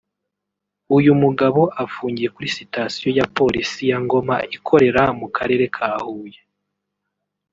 uyu mugabo afungiye kuri sitasiyo ya Polisi ya Ngoma ikorera mu Karere ka Huye